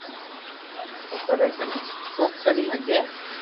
او ڪري ڪري ھگي